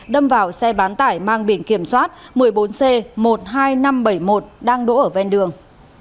đâm vào xe bán tải mang biển kiểm soát một mươi bốn c một mươi hai nghìn năm trăm bảy mươi một đang đỗ ở ven đường